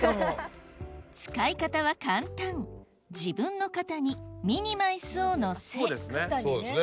使い方は簡単自分の肩にミニマイスをのせこうですね